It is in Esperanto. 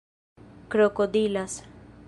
krokodilas